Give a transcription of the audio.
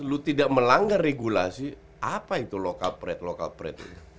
lu tidak melanggar regulasi apa itu local parade local parade itu